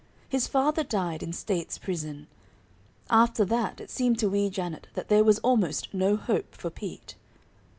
His father died in State's Prison. After that it seemed to Wee Janet that there was almost no hope for Pete.